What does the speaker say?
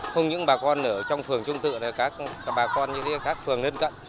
không những bà con ở trong phường trung tựa này các bà con như các phường lên cận